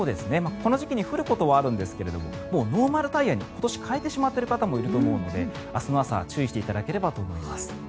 この時期に降ることはあるんですがもうノーマルタイヤに替えてしまっている方もいると思うので明日の朝注意していただければと思います。